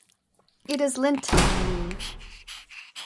It is Linton, I mean.